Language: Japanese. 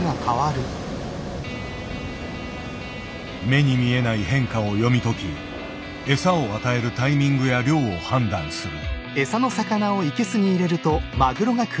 目に見えない変化を読み解き餌を与えるタイミングや量を判断する。